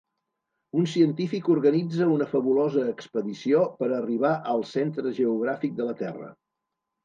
Un científic organitza una fabulosa expedició per arribar al centre geogràfic de la Terra.